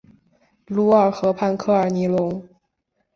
卢尔河畔科尔尼隆。